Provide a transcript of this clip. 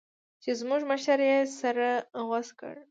چې زموږ مشر يې سر غوڅ کړ.